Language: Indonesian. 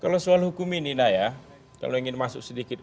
kalau soal hukum ini naya kalau ingin masuk sedikit